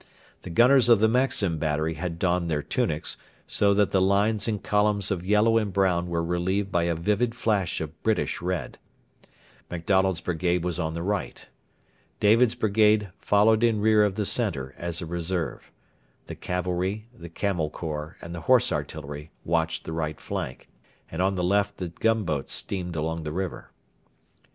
The gunners of the Maxim battery had donned their tunics, so that the lines and columns of yellow and brown were relieved by a vivid flash of British red. MacDonald's brigade was on the right. David's brigade followed in rear of the centre as a reserve. The cavalry, the Camel Corps, and the Horse Artillery watched the right flank; and on the left the gunboats steamed along the river.